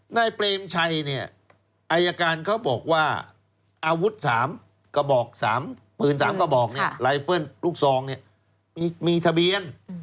ในเปรมชัยอัยการเขาบอกว่าอาวุธ๓ก็บอก๓ปืน๓ก็บอกไลเฟิร์นลูกซองมีทะเบียน